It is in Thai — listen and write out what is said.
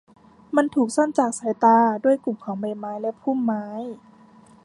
มันถูกซ่อนจากสายตาด้วยกลุ่มของใบไม้และพุ่มไม้